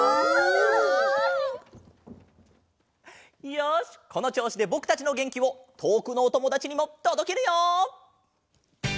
よしこのちょうしでぼくたちのげんきをとおくのおともだちにもとどけるよ！